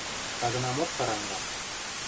Тагынамок карангам...